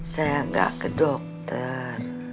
saya nggak ke dokter